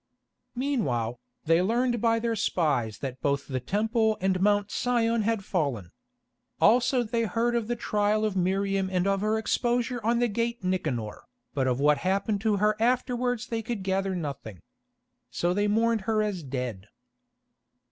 Meanwhile, they learned by their spies that both the Temple and Mount Sion had fallen. Also they heard of the trial of Miriam and of her exposure on the Gate Nicanor, but of what happened to her afterwards they could gather nothing. So they mourned her as dead.